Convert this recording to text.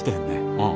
ああ。